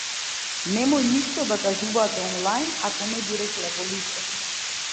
Немој ништо да кажувате онлајн ако не би рекле во лице.